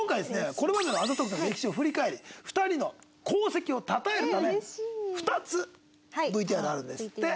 これまでの『あざとくて』の歴史を振り返り２人の功績をたたえるため２つＶＴＲあるんですって。